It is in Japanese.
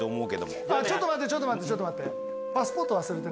ちょっと待ってちょっと待ってちょっと待って。